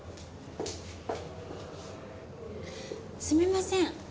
すみません。